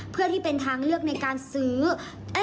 เพื่อที่เป็นทางเลือกในการซื้อ